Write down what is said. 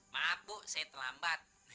maaf bu saya terlambat